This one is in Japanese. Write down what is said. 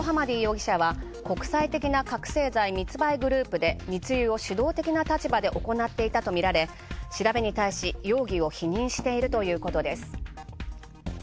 国際的な覚せい剤密売グループで密輸を主導的な立場で行っていたと見られ調べに対し容疑を否認しているということです。